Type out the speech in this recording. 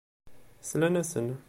Slan-asen.